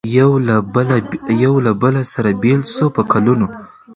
یو له بله سره بېل سو په کلونو